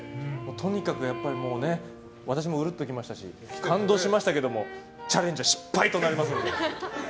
とにかく私もうるっときましたし感動しましたけどチャレンジは失敗となりますので。